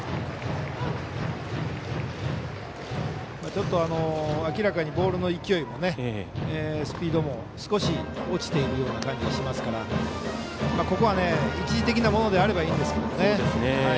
ちょっと明らかにボールの勢いスピードも少し落ちているような感じがしますからここは、一時的なものであればいいんですけど。